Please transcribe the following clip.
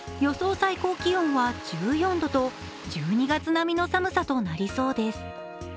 最高気温は１４度と１２月並みの寒さとなりそうです。